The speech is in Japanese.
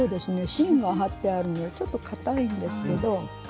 芯が貼ってあるのでちょっとかたいんですけど。